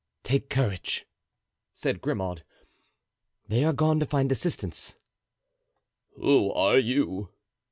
"Take courage," said Grimaud; "they are gone to find assistance." "Who are you?"